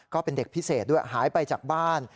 ก็เป็นเด็กพิเศษด้วยหายไปจากบ้าน